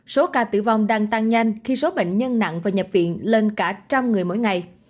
số ca tử vong đang tăng nhanh khi số bệnh nhân nặng và nhập viện lên cả trăm người mỗi ngày